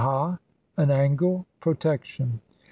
An angle. Protection.